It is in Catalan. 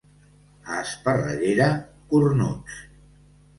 A Esparreguera, cornuts.